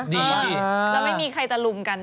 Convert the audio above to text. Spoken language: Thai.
ดีจริงอ่าแล้วไม่มีใครจะลุมกัน